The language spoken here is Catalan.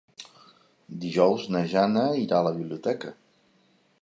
Dijous na Jana irà a la biblioteca.